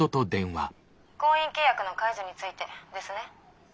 婚姻契約の解除についてですね？